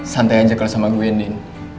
santai aja kalah sama gue nen